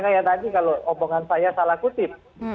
kayak tadi kalau omongan saya salah kutip